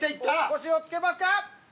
腰を浸けますか？